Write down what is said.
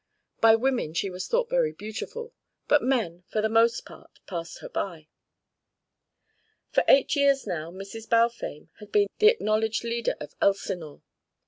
By women she was thought very beautiful, but men, for the most part, passed her by. For eight years now, Mrs. Balfame had been the acknowledged leader of Elsinore.